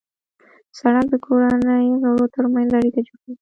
سړک د کورنۍ غړو ترمنځ اړیکه جوړوي.